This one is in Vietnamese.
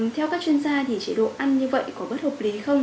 theo các chuyên gia thì chế độ ăn như vậy có bất hợp lý không